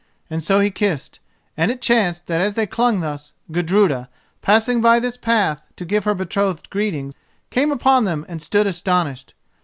And so he kissed, and it chanced that as they clung thus, Gudruda, passing by this path to give her betrothed greeting, came upon them and stood astonished.